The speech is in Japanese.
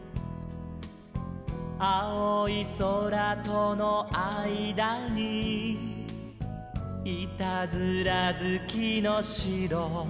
「あおいそらとのあいだにいたずらずきのしろ」